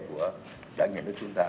của đảng nhà nước chúng ta